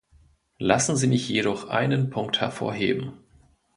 Lassen Sie mich jedoch einen Punkt hervorheben.